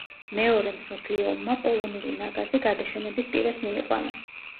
მეორე მსოფლიო ომმა პოლონური ნაგაზი გადაშენების პირას მიიყვანა.